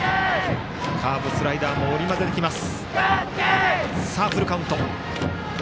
カーブ、スライダーも織り交ぜてきます。